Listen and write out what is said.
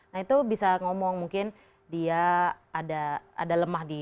nah itu bisa ngomong mungkin dia ada lemah di